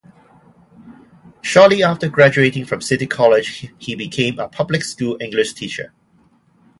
Shortly after graduating from City College, he became a public school English Teacher.